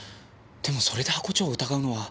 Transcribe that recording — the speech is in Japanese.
でもそれで箱長を疑うのは。